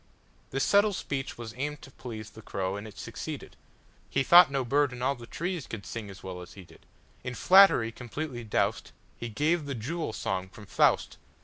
'"This subtle speech was aimed to pleaseThe crow, and it succeeded:He thought no bird in all the treesCould sing as well as he did.In flattery completely doused, He gave the "Jewel Song" from "Faust."